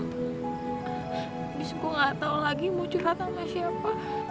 abis gue gak tau lagi mau cerita sama siapa